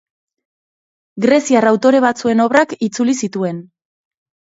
Greziar autore batzuen obrak itzuli zituen.